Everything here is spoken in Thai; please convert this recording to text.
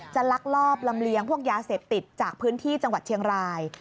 ลักลอบลำเลียงพวกยาเสพติดจากพื้นที่จังหวัดเชียงราย